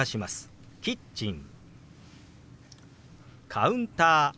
「カウンター」。